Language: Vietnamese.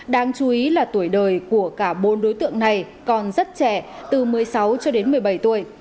đáng chú ý là tuổi đời của cả bốn đối tượng này còn rất trẻ từ một mươi sáu cho đến một mươi bảy tuổi